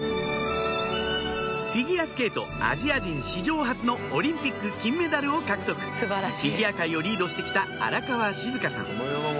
フィギュアスケートアジア人史上初のオリンピック金メダルを獲得フィギュア界をリードしてきた荒川静香さん